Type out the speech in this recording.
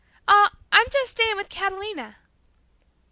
"Oh, I'm just staying with Catalina."